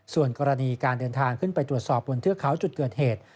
ส่วนกรณีการเดินทางขึ้นไปตรวจสอบบนเทือกเขาจุดเกิดเหตุ